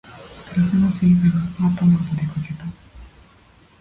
クリスマスイブにパートナーとでかけた